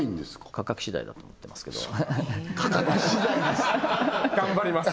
価格次第だと思ってますけど価格次第です